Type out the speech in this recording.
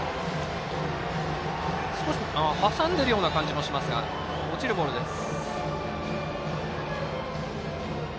少し挟んでいる感じもしますが落ちるボールです。